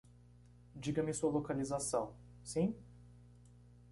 Diga-me sua localização, sim?